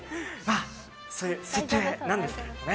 そういう設定なんですけどね。